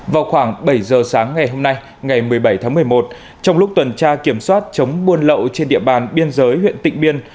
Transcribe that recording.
vào khoảng bảy giờ sáng ngày hôm nay ngày một mươi bảy tháng một mươi một trong lúc tuần tra kiểm soát chống buôn lậu trên địa bàn biên giới huyện tịnh biên